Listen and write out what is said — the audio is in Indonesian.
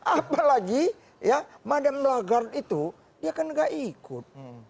apalagi ya madam lagarde itu dia kan nggak ikut